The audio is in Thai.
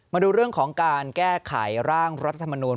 มาดูเรื่องของการแก้ไขร่างรัฐธรรมนูล